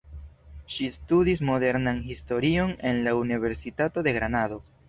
Ŝi studis Modernan Historion en la Universitato de Granado.